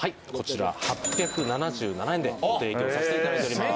８７７円でご提供させていただいております。